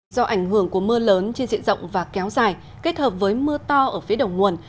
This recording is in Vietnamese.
do ảnh hưởng của mưa lớn trên diện rộng và kéo dài kết hợp với mưa to ở phía đầu nguồn